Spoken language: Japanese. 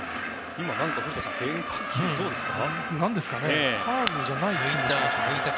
今、古田さん変化球、どうですか？